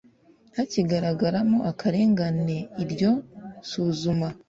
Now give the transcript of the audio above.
hakigaragaramo akarengane iryo suzuma